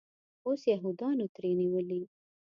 اوس یهودانو ترې نیولی.